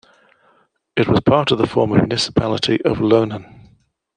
It was part of the former municipality of Loenen.